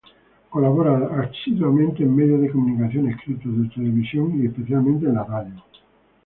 Colabora asiduamente en medios de comunicación escritos, de televisión y especialmente en la radio.